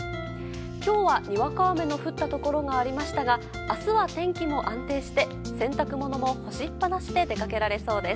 今日はにわか雨の降ったところがありましたが明日は天気も安定して洗濯物も干しっぱなしで出かけられそうです。